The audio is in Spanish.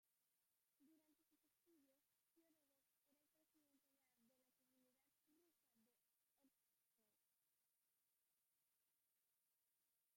Durante sus estudios Fiódorov era el presidente de la comunidad Rusa de Oxford.